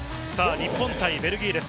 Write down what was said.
日本対ベルギーです。